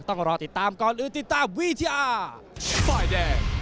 ต้องรอติดตามก่อนหรือติดตามวิทยา